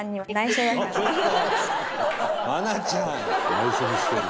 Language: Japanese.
内緒にしてる。